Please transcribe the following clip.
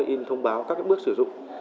in thông báo các bước sử dụng